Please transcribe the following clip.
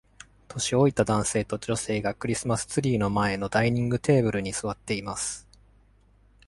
年老いた男性と女性がクリスマスツリーの前のダイニングテーブルに座っています。